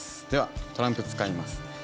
ではトランプ使います。